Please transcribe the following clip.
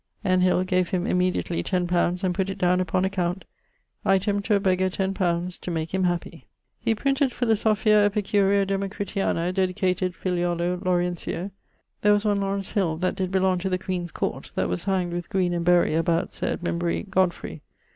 N. Hill gave him immediately 10 li. and putt it downe upon account, 'Item, to a beggar ten pounds, to make him happy.' He printed 'Philosophia Epicurea Democritiana,' dedicated 'filiolo Laurentio.' There was one Laurence Hill that did belong to the queen's court, that was hangd with Green and Berry about Sir Edmund Berry Godfrey.